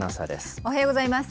おはようございます。